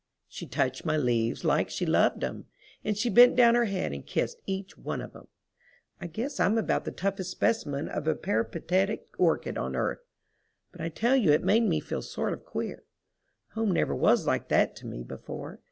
She touched my leaves like she loved 'em, and she bent down her head and kissed each one of 'em. I guess I'm about the toughest specimen of a peripatetic orchid on earth, but I tell you it made me feel sort of queer. Home never was like that to me before.